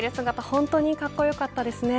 本当にかっこよかったですね。